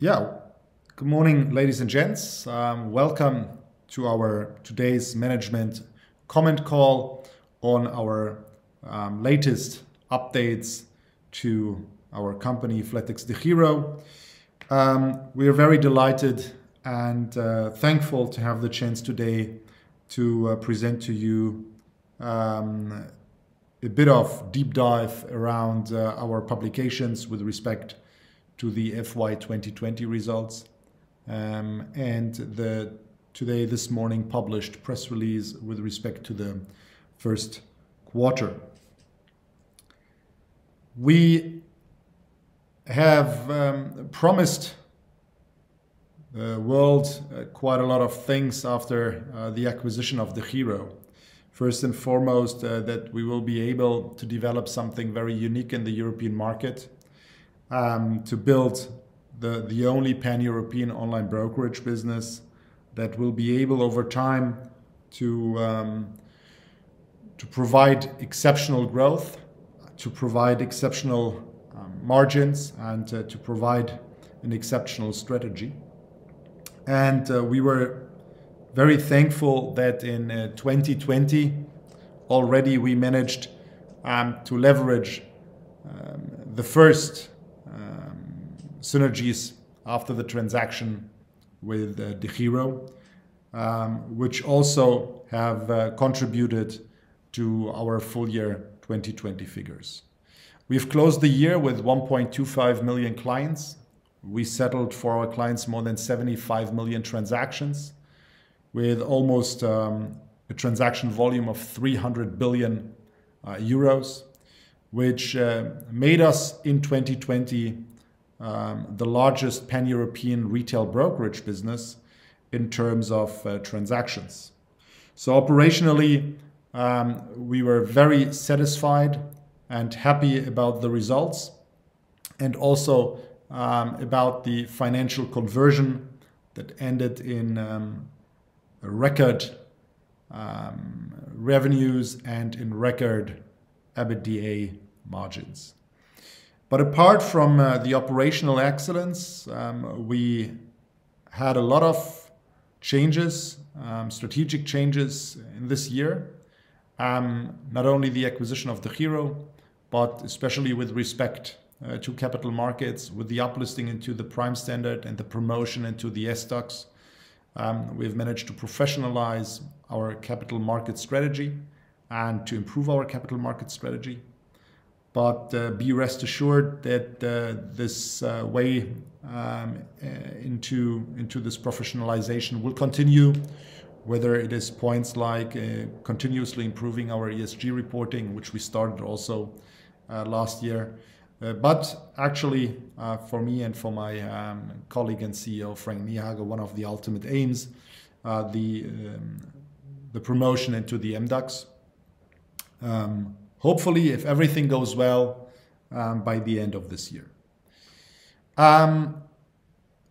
Good morning, ladies and gents. Welcome to our today's management comment call on our latest updates to our company, flatexDEGIRO. We are very delighted and thankful to have the chance today to present to you a bit of deep dive around our publications with respect to the FY 2020 results and the today, this morning, published press release with respect to the first quarter. We have promised the world quite a lot of things after the acquisition of DEGIRO. First and foremost, that we will be able to develop something very unique in the European market, to build the only pan-European online brokerage business that will be able, over time, to provide exceptional growth, to provide exceptional margins, and to provide an exceptional strategy. We were very thankful that in 2020 already, we managed to leverage the first synergies after the transaction with DEGIRO, which also have contributed to our full year 2020 figures. We've closed the year with 1.25 million clients. We settled for our clients more than 75 million transactions with almost a transaction volume of 300 billion euros, which made us, in 2020, the largest pan-European retail brokerage business in terms of transactions. Operationally, we were very satisfied and happy about the results and also about the financial conversion that ended in record revenues and in record EBITDA margins. Apart from the operational excellence, we had a lot of changes, strategic changes in this year. Not only the acquisition of DEGIRO, but especially with respect to capital markets, with the uplisting into the prime standard and the promotion into the SDAX. We've managed to professionalize our capital market strategy and to improve our capital market strategy. Be rest assured that this way into this professionalization will continue, whether it is points like continuously improving our ESG reporting, which we started also last year. Actually, for me and for my colleague and CEO Frank Niehage, one of the ultimate aims, the promotion into the MDAX. Hopefully, if everything goes well, by the end of this year.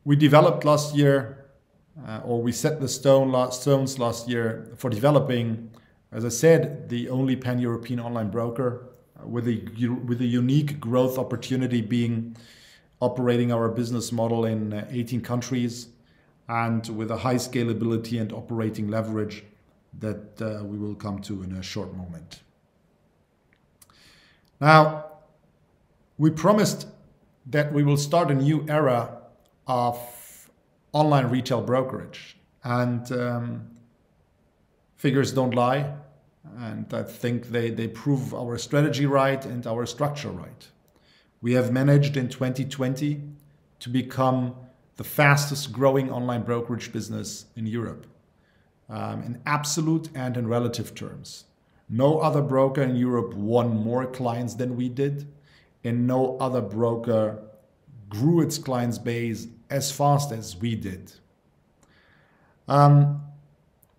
We developed last year, or we set the stones last year for developing, as I said, the only pan-European online broker with a unique growth opportunity being operating our business model in 18 countries and with a high scalability and operating leverage that we will come to in a short moment. We promised that we will start a new era of online retail brokerage. Figures don't lie, and I think they prove our strategy right and our structure right. We have managed, in 2020, to become the fastest-growing online brokerage business in Europe, in absolute and in relative terms. No other broker in Europe won more clients than we did, and no other broker grew its clients base as fast as we did.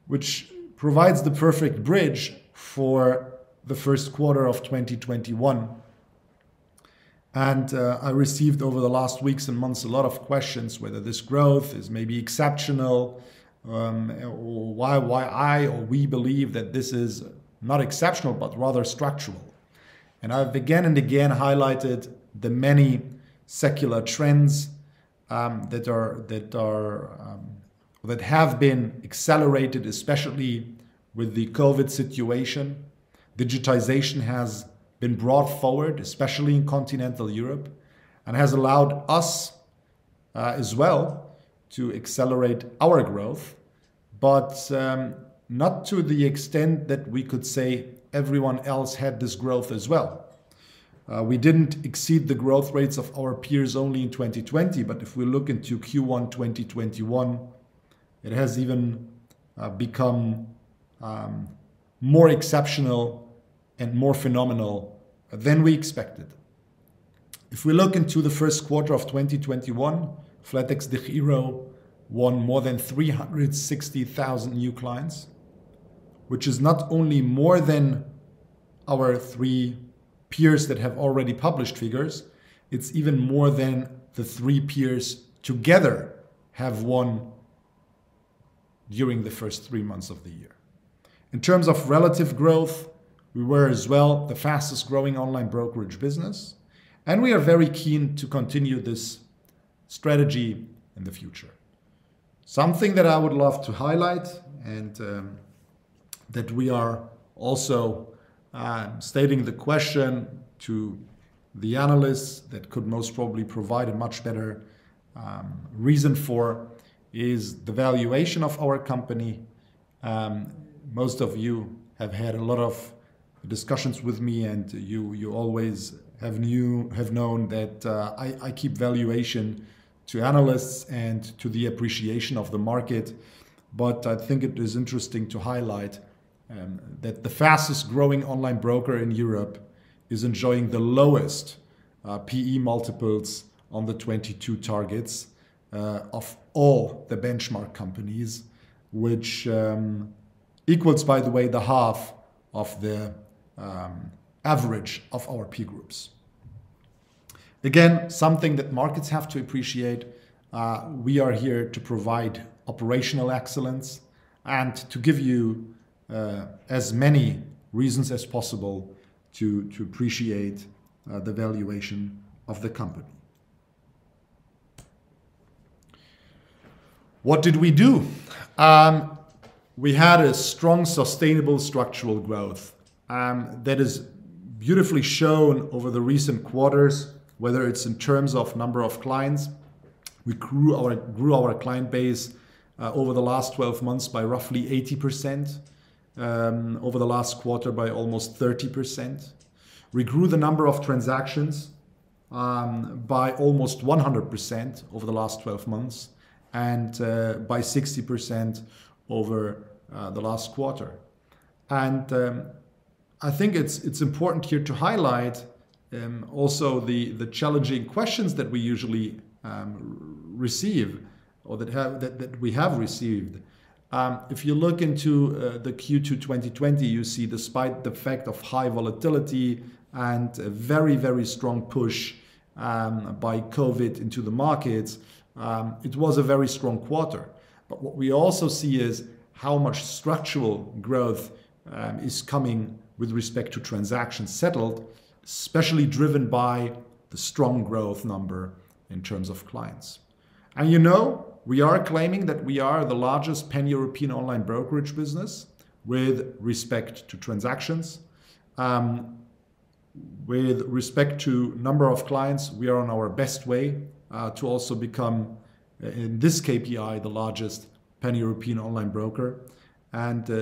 Which provides the perfect bridge for the first quarter of 2021. I received, over the last weeks and months, a lot of questions whether this growth is maybe exceptional, or why I or we believe that this is not exceptional, but rather structural. I've again and again highlighted the many secular trends that have been accelerated, especially with the COVID situation. Digitization has been brought forward, especially in continental Europe, and has allowed us as well to accelerate our growth. Not to the extent that we could say everyone else had this growth as well. We didn't exceed the growth rates of our peers only in 2020. If we look into Q1 2021, it has even become more exceptional and more phenomenal than we expected. If we look into the first quarter of 2021, flatexDEGIRO won more than 360,000 new clients, which is not only more than our three peers that have already published figures, it's even more than the three peers together have won during the first three months of the year. In terms of relative growth, we were as well the fastest-growing online brokerage business. We are very keen to continue this strategy in the future. Something that I would love to highlight, and that we are also stating the question to the analysts that could most probably provide a much better reason for, is the valuation of our company. Most of you have had a lot of discussions with me, and you always have known that I keep valuation to analysts and to the appreciation of the market. I think it is interesting to highlight that the fastest-growing online broker in Europe is enjoying the lowest P/E multiples on the 22 targets of all the benchmark companies, which equals, by the way, the half of the average of our peer groups. Again, something that markets have to appreciate. We are here to provide operational excellence and to give you as many reasons as possible to appreciate the valuation of the company. What did we do? We had a strong, sustainable structural growth that is beautifully shown over the recent quarters, whether it's in terms of number of clients. We grew our client base over the last 12 months by roughly 80%, over the last quarter by almost 30%. We grew the number of transactions by almost 100% over the last 12 months and by 60% over the last quarter. I think it's important here to highlight also the challenging questions that we usually receive or that we have received. If you look into the Q2 2020, you see despite the fact of high volatility and a very strong push by COVID into the markets, it was a very strong quarter. What we also see is how much structural growth is coming with respect to transactions settled, especially driven by the strong growth number in terms of clients. You know we are claiming that we are the largest pan-European online brokerage business with respect to transactions. With respect to number of clients, we are on our best way to also become, in this KPI, the largest pan-European online broker.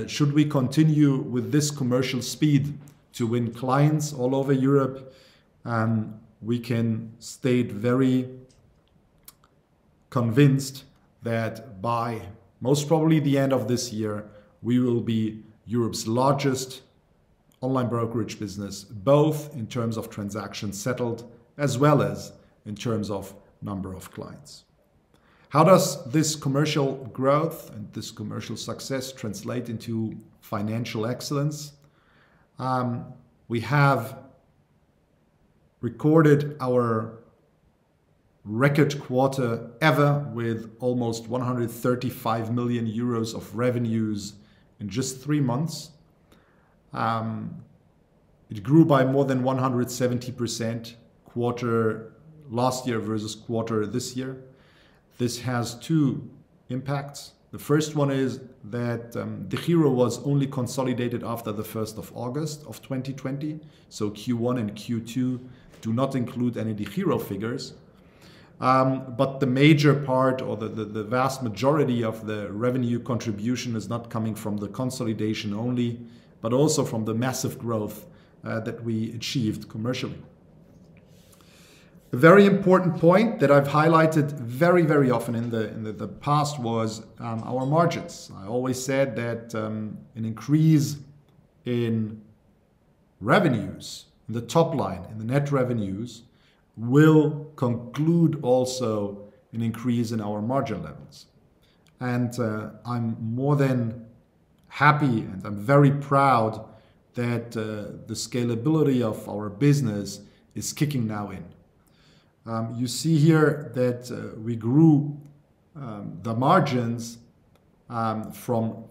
Should we continue with this commercial speed to win clients all over Europe, we can state very convinced that by most probably the end of this year, we will be Europe's largest online brokerage business, both in terms of transactions settled as well as in terms of number of clients. How does this commercial growth and this commercial success translate into financial excellence? We have recorded our record quarter ever with almost 135 million euros of revenues in just three months. It grew by more than 170% quarter last year versus quarter this year. This has two impacts. The first one is that DEGIRO was only consolidated after the 1st of August of 2020, so Q1 and Q2 do not include any DEGIRO figures. The major part or the vast majority of the revenue contribution is not coming from the consolidation only, but also from the massive growth that we achieved commercially. A very important point that I've highlighted very often in the past was our margins. I always said that an increase in revenues, in the top line, in the net revenues, will conclude also an increase in our margin levels. I'm more than happy and I'm very proud that the scalability of our business is kicking now in. You see here that we grew the margins from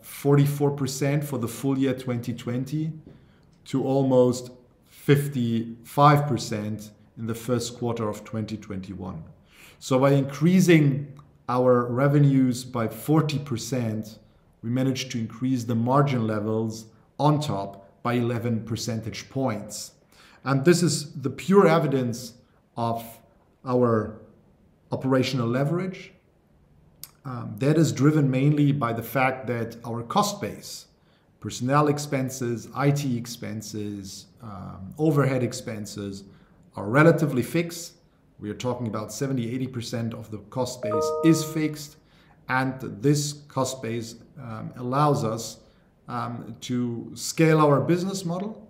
44% for the full year 2020 to almost 55% in the first quarter of 2021. By increasing our revenues by 40%, we managed to increase the margin levels on top by 11 percentage points. This is the pure evidence of our operational leverage. That is driven mainly by the fact that our cost base, personnel expenses, IT expenses, overhead expenses, are relatively fixed. We are talking about 70%, 80% of the cost base is fixed, and this cost base allows us to scale our business model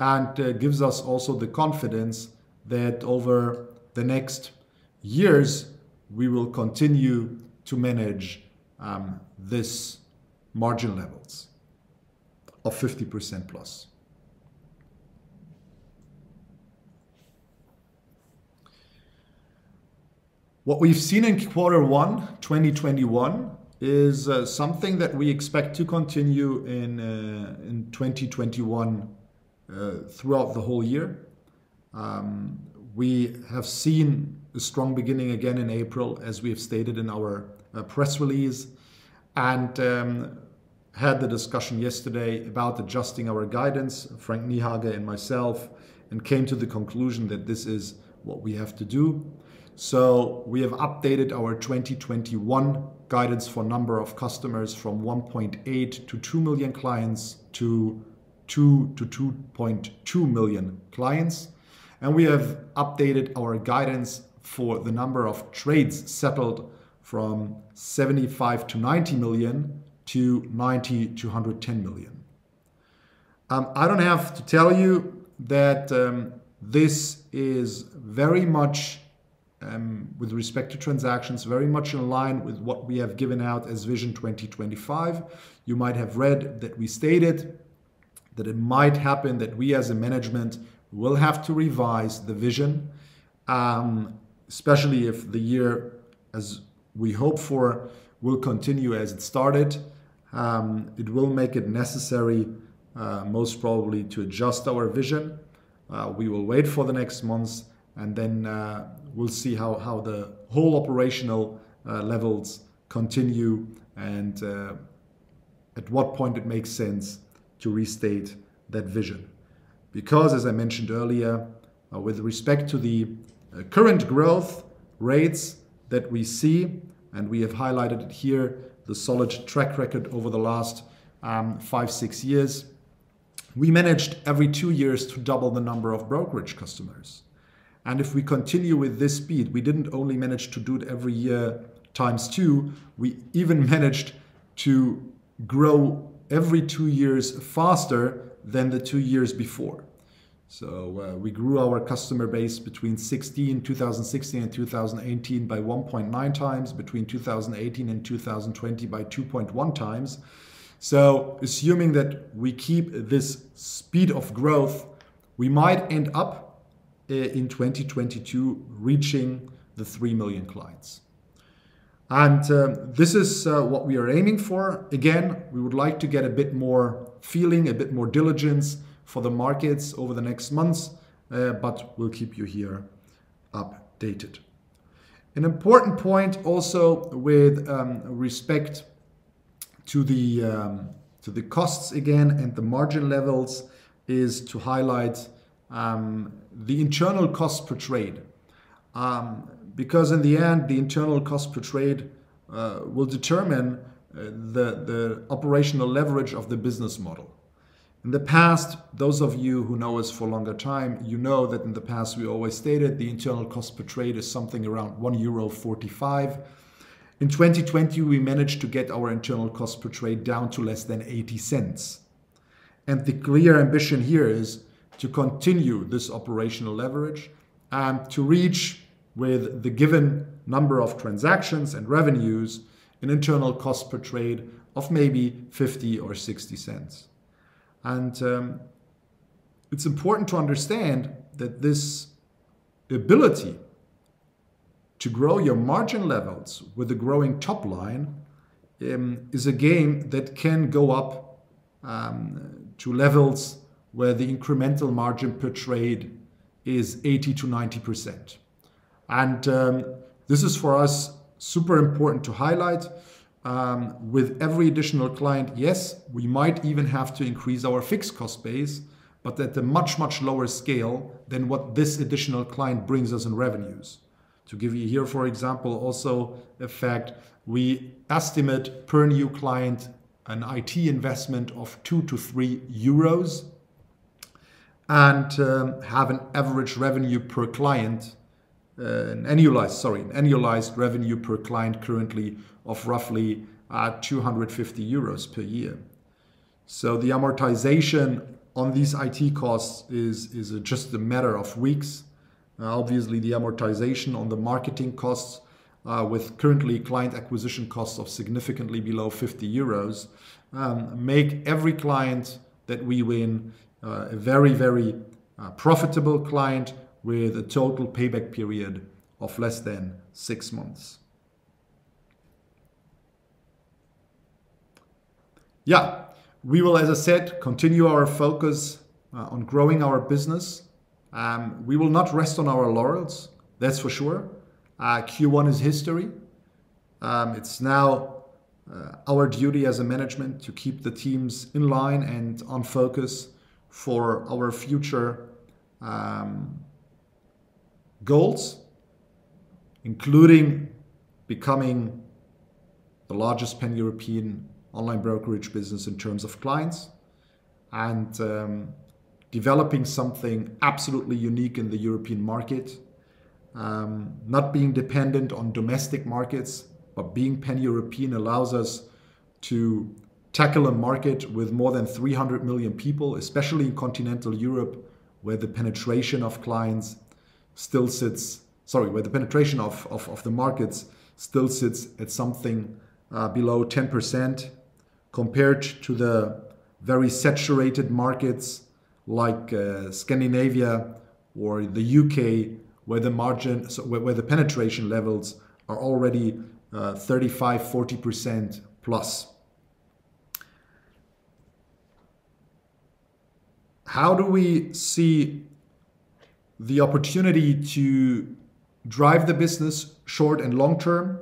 and gives us also the confidence that over the next years, we will continue to manage this margin levels of 50%+. What we've seen in quarter one 2021 is something that we expect to continue in 2021 throughout the whole year. We have seen a strong beginning again in April, as we have stated in our press release, and had the discussion yesterday about adjusting our guidance, Frank Niehage and myself, and came to the conclusion that this is what we have to do. We have updated our 2021 guidance for number of customers from 1.8 million to 2 million clients to 2 million-2.2 million clients. We have updated our guidance for the number of trades settled from 75 million to 90 million to 90 million-110 million. I don't have to tell you that this is, with respect to transactions, very much in line with what we have given out as Vision 2025. You might have read that we stated that it might happen that we as a management will have to revise the vision, especially if the year, as we hope for, will continue as it started. It will make it necessary, most probably, to adjust our vision. We will wait for the next months, and then we'll see how the whole operational levels continue and at what point it makes sense to restate that vision. As I mentioned earlier, with respect to the current growth rates that we see, and we have highlighted here the solid track record over the last five, six years, we managed every two years to double the number of brokerage customers. If we continue with this speed, we didn't only manage to do it every year times two, we even managed to grow every two years faster than the two years before. We grew our customer base between 2016 and 2018 by 1.9 times, between 2018 and 2020 by 2.1 times. Assuming that we keep this speed of growth, we might end up in 2022 reaching the three million clients. This is what we are aiming for. Again, we would like to get a bit more feeling, a bit more diligence for the markets over the next months, but we'll keep you here updated. An important point also with respect to the costs again, and the margin levels is to highlight the internal cost per trade. In the end, the internal cost per trade will determine the operational leverage of the business model. In the past, those of you who know us for a longer time, you know that in the past we always stated the internal cost per trade is something around 1.45 euro. In 2020, we managed to get our internal cost per trade down to less than 0.80. The clear ambition here is to continue this operational leverage and to reach, with the given number of transactions and revenues, an internal cost per trade of maybe 0.50 or 0.60. It's important to understand that this ability to grow your margin levels with a growing top line is a game that can go up to levels where the incremental margin per trade is 80%-90%. This is for us super important to highlight. With every additional client, yes, we might even have to increase our fixed cost base, but at a much, much lower scale than what this additional client brings us in revenues. To give you here, for example, also a fact, we estimate per new client an IT investment of 2-3 euros. Have an average revenue per client, an annualized revenue per client currently of roughly 250 euros per year. The amortization on these IT costs is just a matter of weeks. Obviously, the amortization on the marketing costs with currently client acquisition costs of significantly below 50 euros, make every client that we win a very, very profitable client with a total payback period of less than six months. We will, as I said, continue our focus on growing our business. We will not rest on our laurels, that's for sure. Q1 is history. It's now our duty as a management to keep the teams in line and on focus for our future goals, including becoming the largest pan-European online brokerage business in terms of clients and developing something absolutely unique in the European market. Not being dependent on domestic markets, but being pan-European allows us to tackle a market with more than 300 million people, especially in continental Europe, where the penetration of the markets still sits at something below 10%. Compared to the very saturated markets like Scandinavia or the U.K., where the penetration levels are already 35%, 40%+. How do we see the opportunity to drive the business short and long term?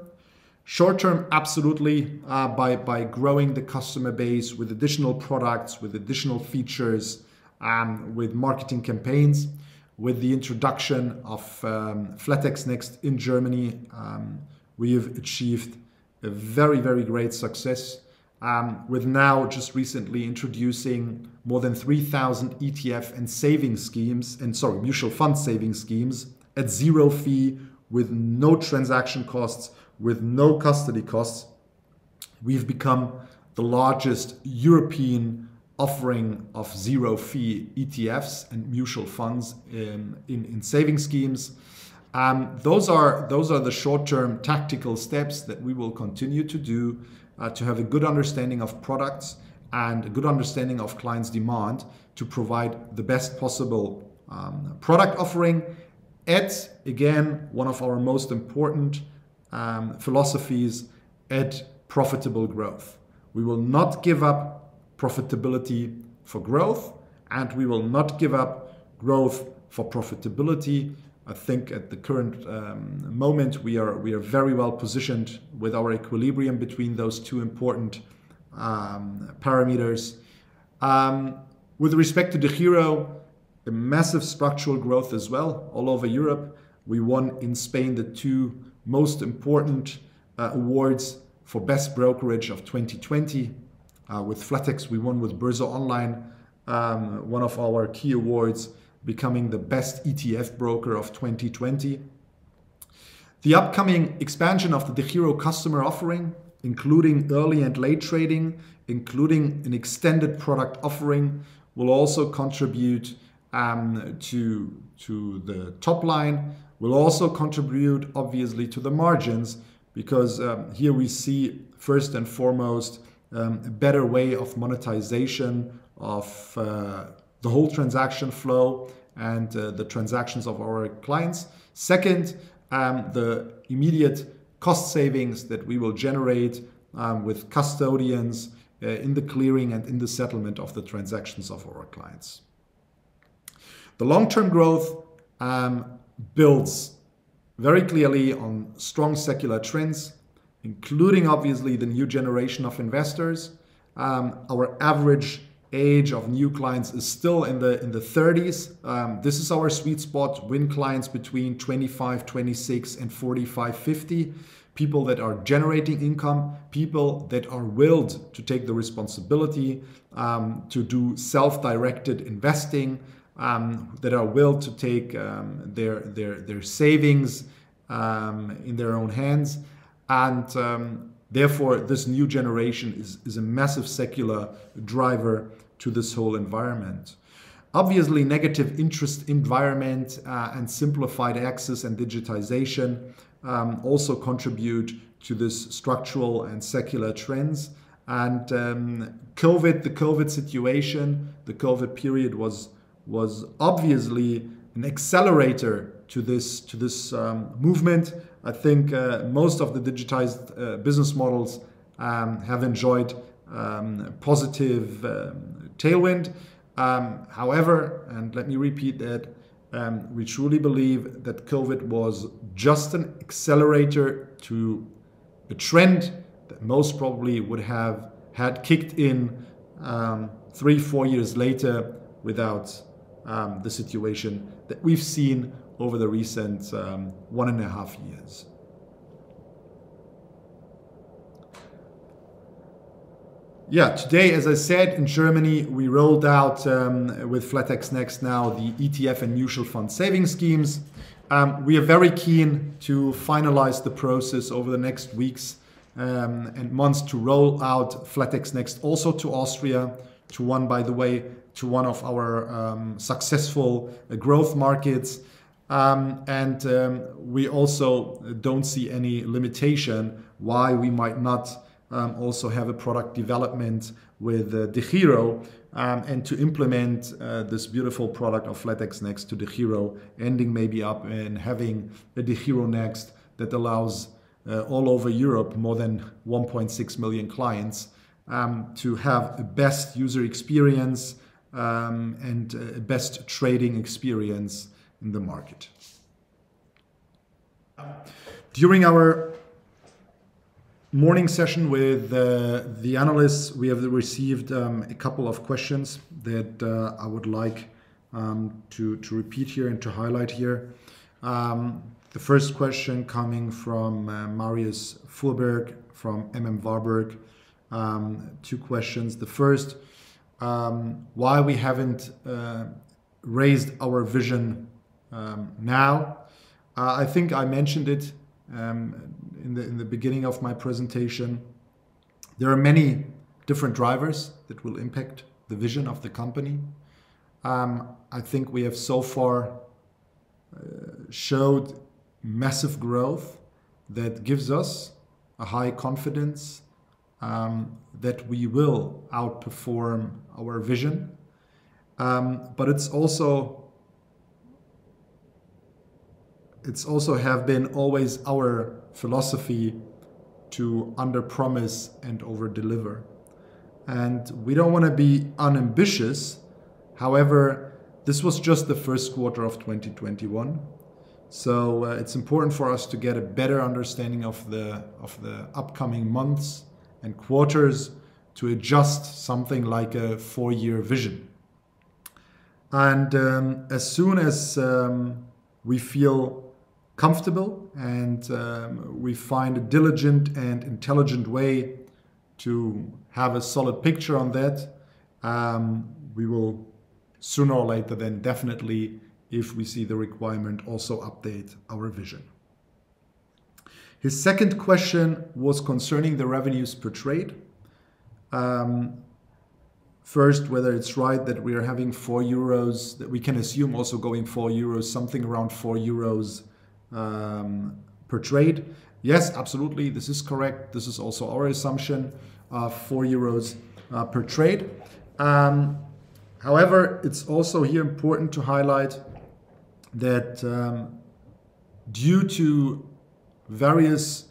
Short term, absolutely, by growing the customer base with additional products, with additional features, with marketing campaigns. With the introduction of flatex-next in Germany, we have achieved a very great success with now just recently introducing more than 3,000 ETF and mutual fund saving schemes at zero fee, with no transaction costs, with no custody costs. We have become the largest European offering of zero-fee ETFs and mutual funds in saving schemes. Those are the short-term tactical steps that we will continue to do to have a good understanding of products and a good understanding of clients' demand to provide the best possible product offering at, again, one of our most important philosophies at profitable growth. We will not give up profitability for growth, and we will not give up growth for profitability. I think at the current moment, we are very well positioned with our equilibrium between those two important parameters. With respect to DEGIRO, a massive structural growth as well all over Europe. We won in Spain the two most important awards for best brokerage of 2020. With flatex, we won with BÖRSE ONLINE, one of our key awards, becoming the best ETF broker of 2020. The upcoming expansion of the DEGIRO customer offering, including early and late trading, including an extended product offering, will also contribute to the top line, will also contribute, obviously, to the margins because here we see, first and foremost, a better way of monetization of the whole transaction flow and the transactions of our clients. Second, the immediate cost savings that we will generate with custodians in the clearing and in the settlement of the transactions of our clients. The long-term growth builds very clearly on strong secular trends, including, obviously, the new generation of investors. Our average age of new clients is still in the 30s. This is our sweet spot. Win clients between 25, 26 and 45, 50. People that are generating income, people that are willed to take the responsibility to do self-directed investing, that are willed to take their savings in their own hands and therefore, this new generation is a massive secular driver to this whole environment. Obviously, negative interest environment and simplified access and digitization also contribute to this structural and secular trends. The COVID situation, the COVID period was obviously an accelerator to this movement. I think most of the digitized business models have enjoyed positive tailwind. However, and let me repeat that, we truly believe that COVID was just an accelerator to a trend that most probably would have had kicked in three, four years later without the situation that we've seen over the recent one and a half years. Today, as I said, in Germany, we rolled out with flatex-next now the ETF and mutual fund saving schemes. We are very keen to finalize the process over the next weeks and months to roll out flatex-next also to Austria, to one, by the way, of our successful growth markets. We also don't see any limitation why we might not also have a product development with DEGIRO and to implement this beautiful product of flatex-next to DEGIRO, ending maybe up and having a DEGIRO NEXT that allows all over Europe more than 1.6 million clients to have the best user experience and best trading experience in the market. During our morning session with the analysts, we have received a couple of questions that I would like to repeat here and to highlight here. The first question coming from Marius Fuhrberg from M.M.Warburg. Two questions. The first, why we haven't raised our vision now? I think I mentioned it in the beginning of my presentation. There are many different drivers that will impact the vision of the company. I think we have so far showed massive growth that gives us a high confidence that we will outperform our vision. It's also have been always our philosophy to underpromise and overdeliver. We don't want to be unambitious. However, this was just the first quarter of 2021. It's important for us to get a better understanding of the upcoming months and quarters to adjust something like a four-year vision. As soon as we feel comfortable and we find a diligent and intelligent way to have a solid picture on that, we will sooner or later then definitely, if we see the requirement, also update our vision. His second question was concerning the revenues per trade. First, whether it's right that we can assume also going something around 4 euros per trade. Yes, absolutely. This is correct. This is also our assumption of 4 euros per trade. It's also here important to highlight that due to various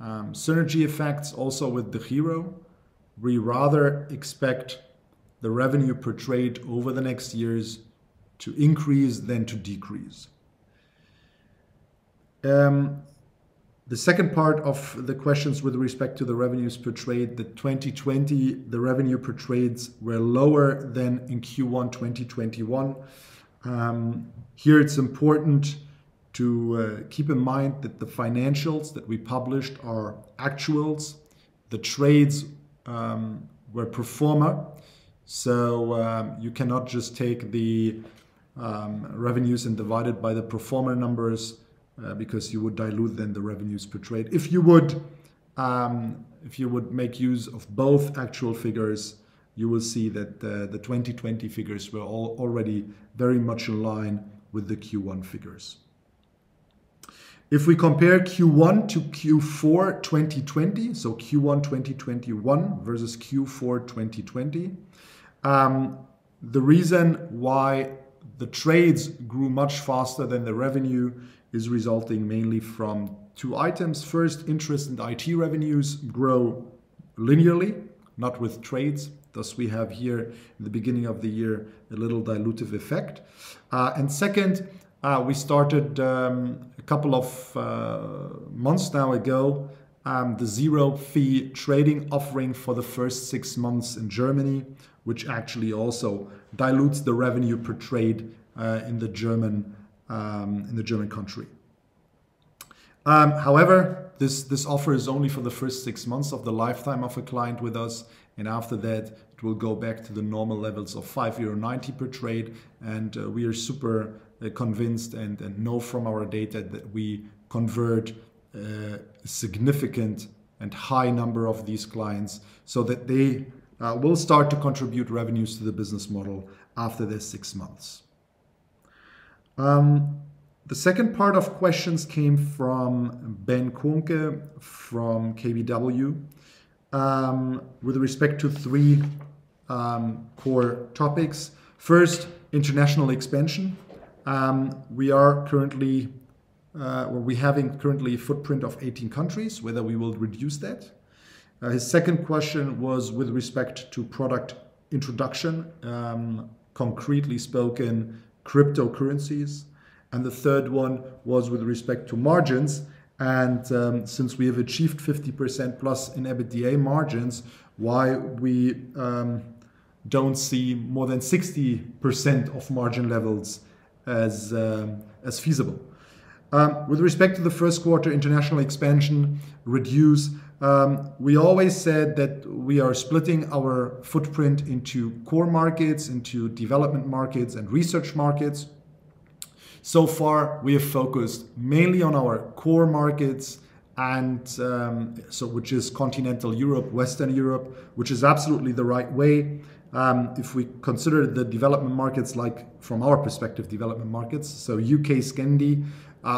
synergy effects, also with DEGIRO, we rather expect the revenue per trade over the next years to increase than to decrease. The second part of the questions with respect to the revenues per trade, the 2020, the revenue per trades were lower than in Q1 2021. Here it's important to keep in mind that the financials that we published are actuals. The trades were pro forma. You cannot just take the revenues and divide it by the pro forma numbers because you would dilute then the revenues per trade. If you would make use of both actual figures, you will see that the 2020 figures were already very much in line with the Q1 figures. If we compare Q1-Q4 2020, so Q1 2021 versus Q4 2020, the reason why the trades grew much faster than the revenue is resulting mainly from two items. First, interest and IT revenues grow linearly, not with trades. Thus, we have here in the beginning of the year, a little dilutive effect. Second, we started a couple of months now ago, the zero-fee trading offering for the first six months in Germany, which actually also dilutes the revenue per trade in the German country. This offer is only for the first six months of the lifetime of a client with us, and after that, it will go back to the normal levels of 5.90 euro per trade. We are super convinced and know from our data that we convert a significant and high number of these clients so that they will start to contribute revenues to the business model after their six months. The second part of questions came from Ben Kuhnke from KBW with respect to three core topics. First, international expansion. We are having currently a footprint of 18 countries, whether we will reduce that. His second question was with respect to product introduction, concretely spoken cryptocurrencies. The third one was with respect to margins. Since we have achieved 50%+ in EBITDA margins, why we do not see more than 60% of margin levels as feasible. With respect to the first quarter international expansion reduce, we always said that we are splitting our footprint into core markets, into development markets, and research markets. So far, we have focused mainly on our core markets which is Continental Europe, Western Europe, which is absolutely the right way. If we consider the development markets, like from our perspective, development markets, U.K., Scandi,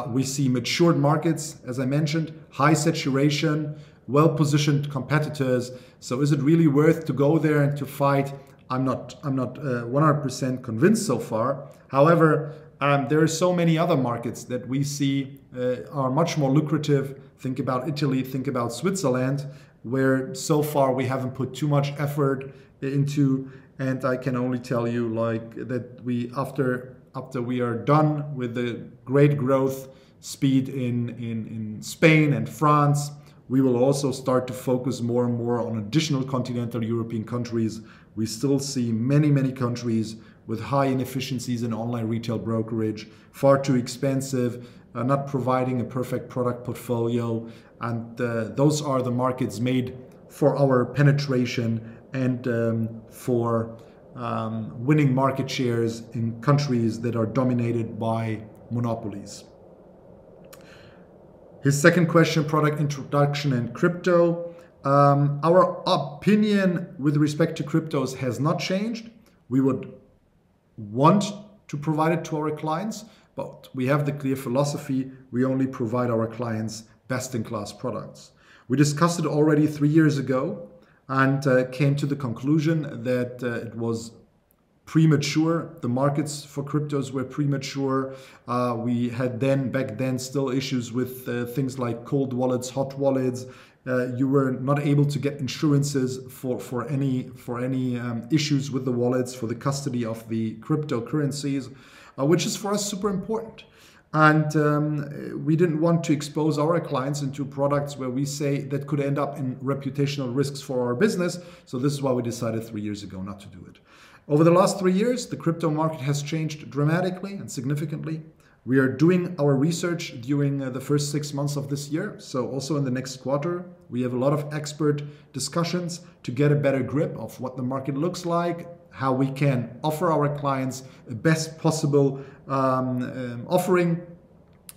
we see matured markets, as I mentioned, high saturation, well-positioned competitors. Is it really worth to go there and to fight? I'm not 100% convinced so far. However, there are so many other markets that we see are much more lucrative. Think about Italy, think about Switzerland, where so far we haven't put too much effort into. I can only tell you that after we are done with the great growth speed in Spain and France, we will also start to focus more and more on additional continental European countries. We still see many countries with high inefficiencies in online retail brokerage, far too expensive, not providing a perfect product portfolio. Those are the markets made for our penetration and for winning market shares in countries that are dominated by monopolies. His second question, product introduction and crypto. Our opinion with respect to cryptos has not changed. We would want to provide it to our clients, but we have the clear philosophy we only provide our clients best-in-class products. We discussed it already three years ago and came to the conclusion that it was premature. The markets for cryptos were premature. We had back then still issues with things like cold wallets, hot wallets. You were not able to get insurances for any issues with the wallets, for the custody of the cryptocurrencies, which is, for us, super important. We didn't want to expose our clients into products where we say that could end up in reputational risks for our business. This is why we decided three years ago not to do it. Over the last three years, the crypto market has changed dramatically and significantly. We are doing our research during the first six months of this year, so also in the next quarter. We have a lot of expert discussions to get a better grip of what the market looks like, how we can offer our clients the best possible offering.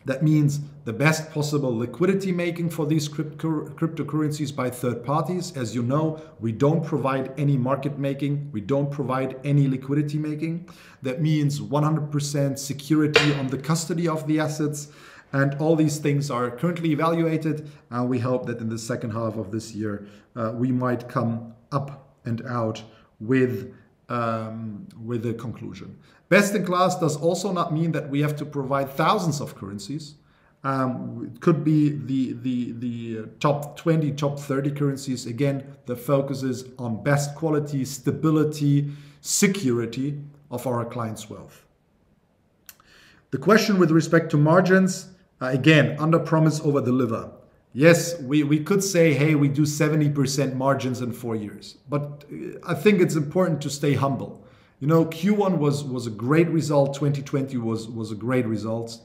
That means the best possible liquidity making for these cryptocurrencies by third parties. As you know, we don't provide any market making. We don't provide any liquidity making. That means 100% security on the custody of the assets. All these things are currently evaluated. We hope that in the second half of this year, we might come up and out with a conclusion. Best in class does also not mean that we have to provide thousands of currencies. It could be the top 20, top 30 currencies. Again, the focus is on best quality, stability, security of our clients' wealth. The question with respect to margins, again, underpromise, overdeliver. Yes, we could say, "Hey, we do 70% margins in four years." I think it's important to stay humble. Q1 was a great result. 2020 was a great result.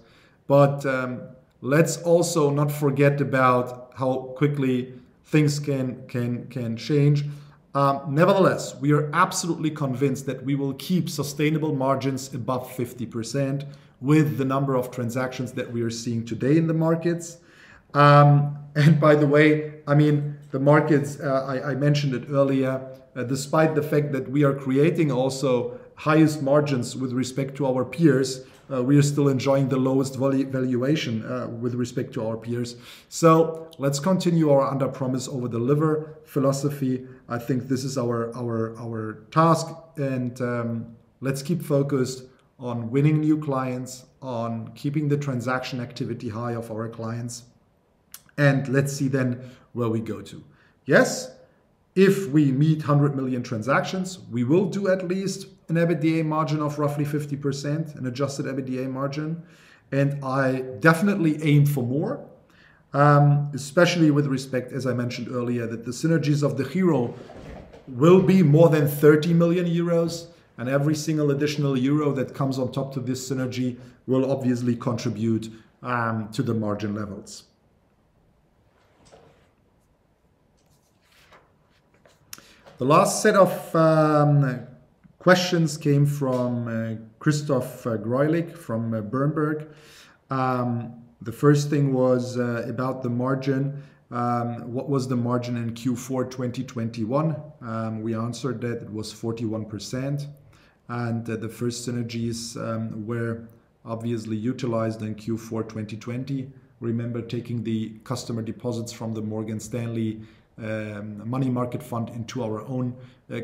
Let's also not forget about how quickly things can change. Nevertheless, we are absolutely convinced that we will keep sustainable margins above 50% with the number of transactions that we are seeing today in the markets. By the way, the markets, I mentioned it earlier, despite the fact that we are creating also highest margins with respect to our peers, we are still enjoying the lowest valuation with respect to our peers. Let's continue our underpromise, overdeliver philosophy. I think this is our task, let's keep focused on winning new clients, on keeping the transaction activity high of our clients, let's see then where we go to. If we meet 100 million transactions, we will do at least an EBITDA margin of roughly 50%, an adjusted EBITDA margin, I definitely aim for more, especially with respect, as I mentioned earlier, that the synergies of DEGIRO will be more than 30 million euros, every single additional euro that comes on top to this synergy will obviously contribute to the margin levels. The last set of questions came from Christoph Greulich from Berenberg. The first thing was about the margin. What was the margin in Q4 2021? We answered that it was 41%, and the first synergies were obviously utilized in Q4 2020. Remember, taking the customer deposits from the Morgan Stanley Money Market Fund into our own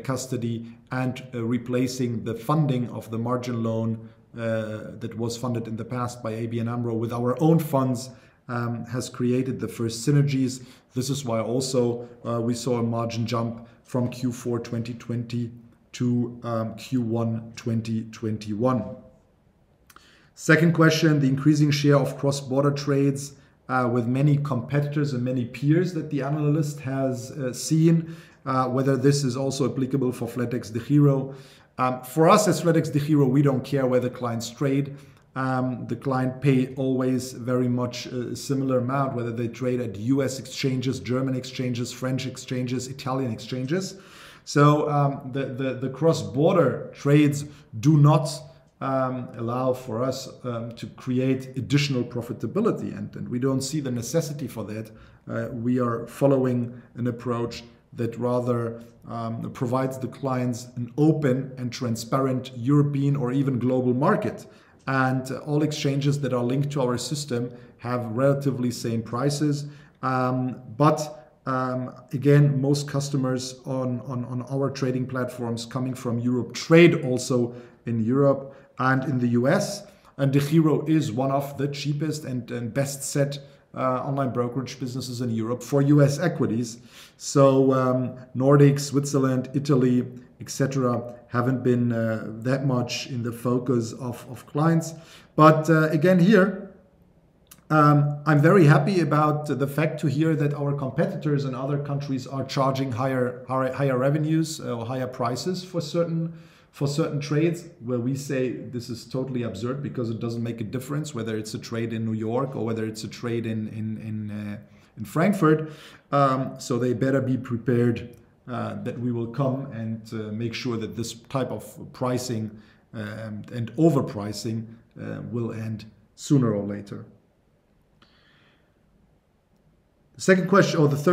custody and replacing the funding of the margin loan that was funded in the past by ABN AMRO with our own funds has created the first synergies. This is why also we saw a margin jump from Q4 2020 to Q1 2021. Second question, the increasing share of cross-border trades with many competitors and many peers that the analyst has seen, whether this is also applicable for flatexDEGIRO. For us at flatexDEGIRO, we don't care where the clients trade. The client pay always very much a similar amount, whether they trade at U.S. exchanges, German exchanges, French exchanges, Italian exchanges. The cross-border trades do not allow for us to create additional profitability, and we don't see the necessity for that. We are following an approach that rather provides the clients an open and transparent European or even global market. All exchanges that are linked to our system have relatively same prices. Again, most customers on our trading platforms coming from Europe trade also in Europe and in the U.S. DEGIRO is one of the cheapest and best set online brokerage businesses in Europe for U.S. equities. Nordics, Switzerland, Italy, et cetera, haven't been that much in the focus of clients. Again, here, I'm very happy about the fact to hear that our competitors in other countries are charging higher revenues or higher prices for certain trades, where we say this is totally absurd because it doesn't make a difference whether it's a trade in New York or whether it's a trade in Frankfurt. They better be prepared that we will come and make sure that this type of pricing and overpricing will end sooner or later. The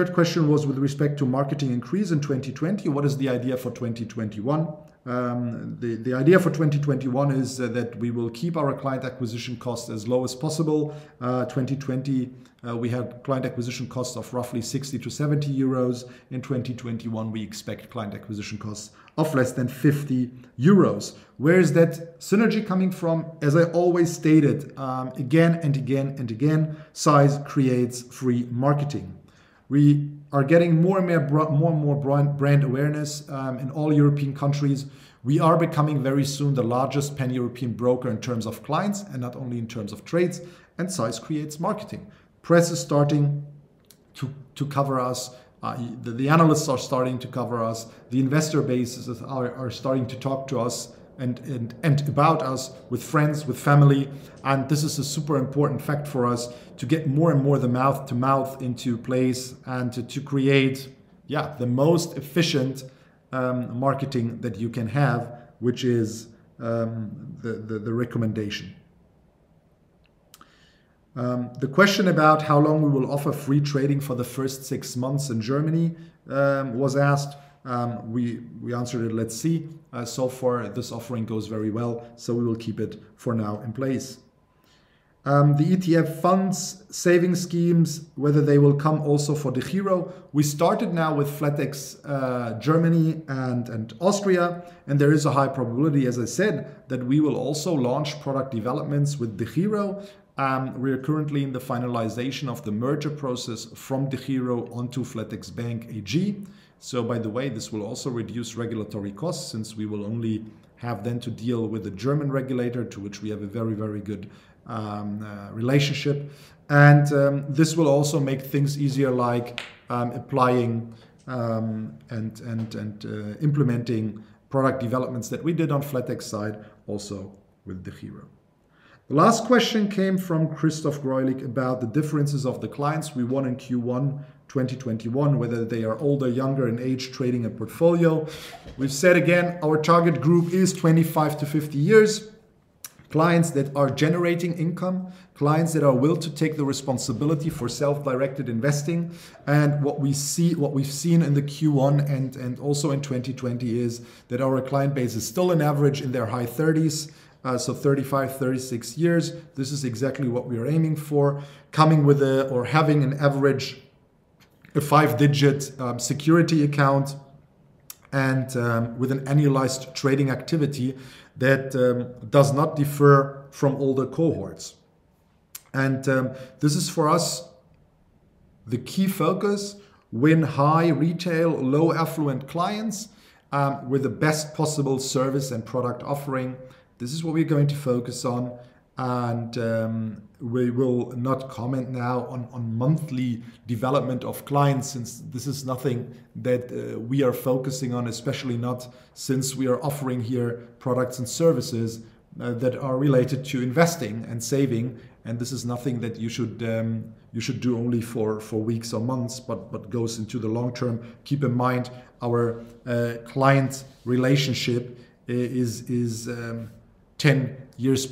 third question was with respect to marketing increase in 2020. What is the idea for 2021? The idea for 2021 is that we will keep our client acquisition cost as low as possible. 2020, we had client acquisition costs of roughly 60-70 euros. In 2021, we expect client acquisition costs of less than 50 euros. Where is that synergy coming from? As I always stated again and again, size creates free marketing. We are getting more and more brand awareness in all European countries. We are becoming very soon the largest pan-European broker in terms of clients and not only in terms of trades. Size creates marketing. Press is starting to cover us. The analysts are starting to cover us. The investor bases are starting to talk to us and about us with friends, with family. This is a super important fact for us to get more and more the mouth-to-mouth into place and to create the most efficient marketing that you can have, which is the recommendation. The question about how long we will offer free trading for the first six months in Germany was asked. We answered it, let's see. So far, this offering goes very well, so we will keep it for now in place. The ETF funds saving schemes, whether they will come also for DEGIRO. We started now with flatex Germany and Austria, and there is a high probability, as I said, that we will also launch product developments with DEGIRO. We are currently in the finalization of the merger process from DEGIRO onto flatexDEGIRO Bank AG. By the way, this will also reduce regulatory costs since we will only have then to deal with the German regulator, to which we have a very good relationship. This will also make things easier, like applying and implementing product developments that we did on flatex side also with DEGIRO. The last question came from Christoph Greulich about the differences of the clients we won in Q1 2021, whether they are older, younger in age, trading a portfolio. We've said again, our target group is 25-50 years, clients that are generating income, clients that are will to take the responsibility for self-directed investing. What we've seen in the Q1 and also in 2020 is that our client base is still on average in their high 30s, so 35, 36 years. This is exactly what we are aiming for, coming with or having on average a five-digit security account and with an annualized trading activity that does not differ from older cohorts. This is for us the key focus. Win high retail, low affluent clients with the best possible service and product offering. This is what we're going to focus on. We will not comment now on monthly development of clients since this is nothing that we are focusing on, especially not since we are offering here products and services that are related to investing and saving. This is nothing that you should do only for weeks or months but goes into the long term. Keep in mind our client relationship is 10+ years.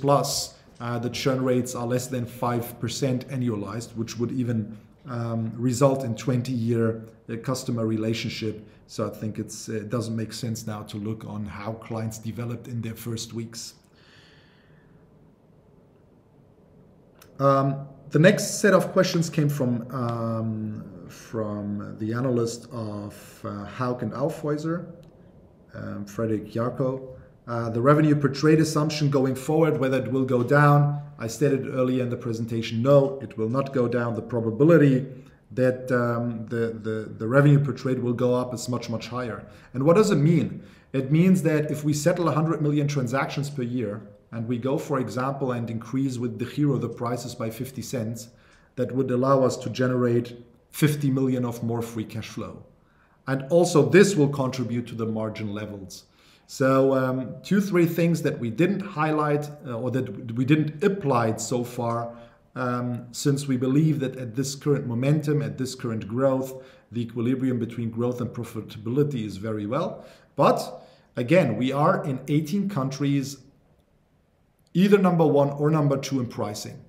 The churn rates are less than 5% annualized, which would even result in 20-year customer relationship. I think it doesn't make sense now to look on how clients developed in their first weeks. The next set of questions came from the analyst of Hauck & Aufhäuser, Frederik Jarchow. The revenue per trade assumption going forward, whether it will go down. I stated earlier in the presentation that no, it will not go down. The probability that the revenue per trade will go up is much higher. What does it mean? It means that if we settle 100 million transactions per year and we go, for example, and increase with DEGIRO the prices by 0.50, that would allow us to generate 50 million of more free cash flow. Also this will contribute to the margin levels. Two, three things that we didn't highlight or that we didn't apply so far since we believe that at this current momentum, at this current growth, the equilibrium between growth and profitability is very well. Again, we are in 18 countries, either number one or number two in pricing.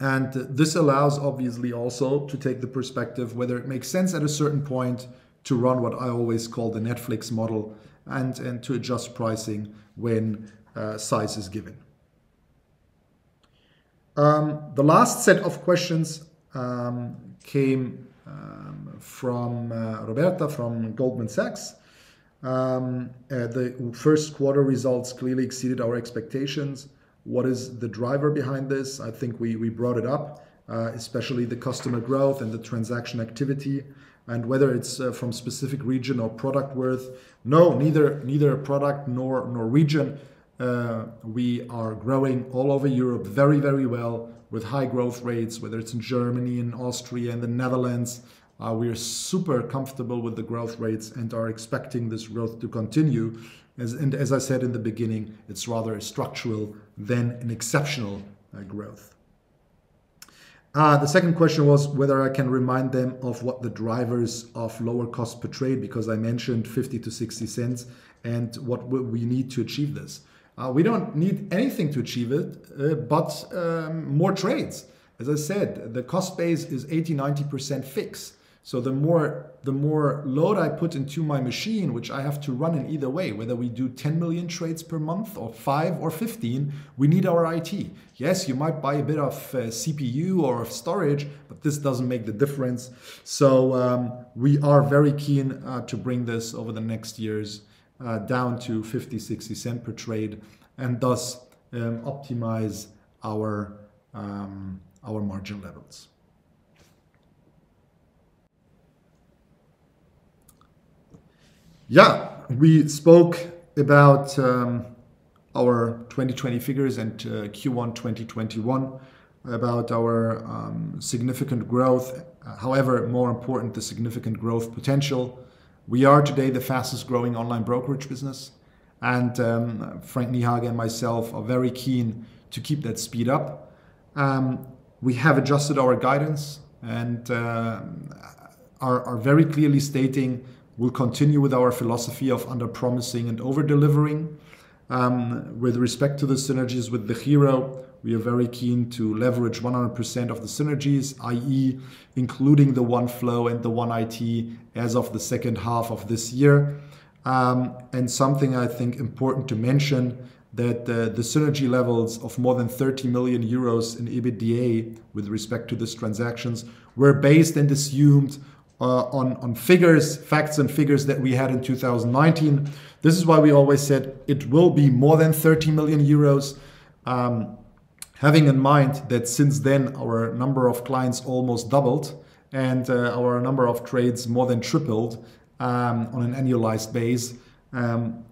This allows obviously also to take the perspective whether it makes sense at a certain point to run what I always call the Netflix model and to adjust pricing when size is given. The last set of questions came from Roberta from Goldman Sachs. The first quarter results clearly exceeded our expectations. What is the driver behind this? I think we brought it up, especially the customer growth and the transaction activity and whether it's from specific region or product worth. No, neither product nor region. We are growing all over Europe very well with high growth rates, whether it's in Germany and Austria and the Netherlands. We are super comfortable with the growth rates and are expecting this growth to continue. As I said in the beginning, it's rather a structural than an exceptional growth. The second question was whether I can remind them of what the drivers of lower cost per trade, because I mentioned 0.50-0.60, and what we need to achieve this. We don't need anything to achieve it, but more trades. As I said, the cost base is 80%, 90% fixed. The more load I put into my machine, which I have to run in either way, whether we do 10 million trades per month or five or 15, we need our IT. Yes, you might buy a bit of CPU or of storage, but this doesn't make the difference. We are very keen to bring this over the next years down to 0.50, 0.60 per trade and thus optimize our margin levels. We spoke about our 2020 figures and Q1 2021, about our significant growth, however, more important, the significant growth potential. We are today the fastest growing online brokerage business and Frank Niehage and myself are very keen to keep that speed up. We have adjusted our guidance and are very clearly stating we'll continue with our philosophy of under-promising and over-delivering. With respect to the synergies with DEGIRO, we are very keen to leverage 100% of the synergies, i.e., including the one-flow and the one-IT as of the second half of this year. Something I think important to mention, that the synergy levels of more than 30 million euros in EBITDA with respect to these transactions were based and assumed on facts and figures that we had in 2019. This is why we always said it will be more than 30 million euros. Having in mind that since then, our number of clients almost doubled and our number of trades more than tripled on an annualized base.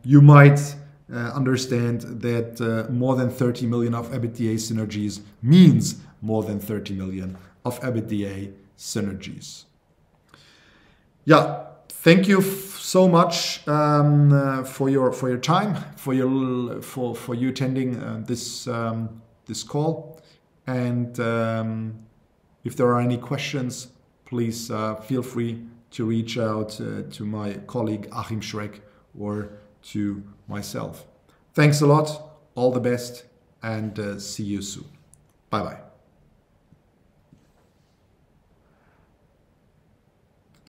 You might understand that more than EUR 30 million of EBITDA synergies means more than 30 million of EBITDA synergies. Thank you so much for your time, for you attending this call. If there are any questions, please feel free to reach out to my colleague, Achim Schreck, or to myself. Thanks a lot. All the best and see you soon. Bye-bye.